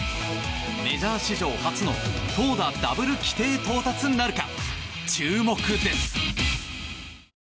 メジャー史上初の投打ダブル規定到達なるか注目です。